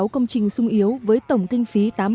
một mươi sáu công trình sung yếu với tổng kinh phí